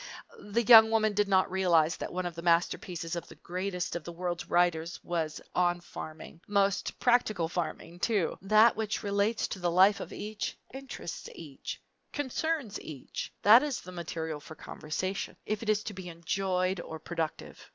The young woman did not realize that one of the masterpieces of the greatest of the world's writers was on farming most practical farming, too! That which relates to the life of each, interests each, concerns each that is the material for conversation, if it is to be enjoyable or productive.